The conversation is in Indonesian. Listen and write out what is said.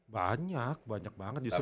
banyak banyak banget justru